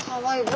はい。